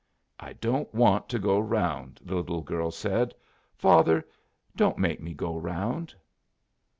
"I don't want to go round," the little girl said. "Father, don't make me go round."